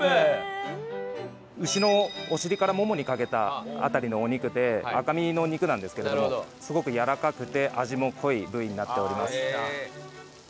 牛のお尻からももにかけた辺りのお肉で赤身の肉なんですけれどもすごくやわらかくて味も濃い部位になっております。